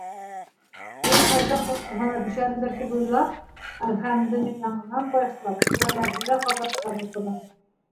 Ул шайтан ҡотҡоһона төшәмдер тип уйлап, әлхәмдене яңынан башлап, сүрәләрҙе лә ҡабаттан уҡыны.